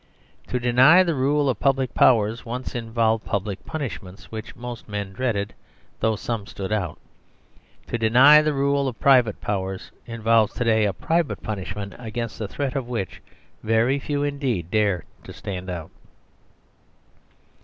To deny the rule of public powers once involved public punishments which most men dreaded, though some stood out. To deny the rule of private powers involves to day a private punishment against the threat of which very few indeed dare to stand out.